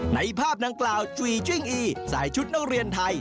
ในภาพดังกล่าวจุ๋ยจิ้งอีใส่ชุดนักเรียนไทย